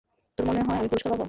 তোর মনে হয় আমি পুরস্কার পাব?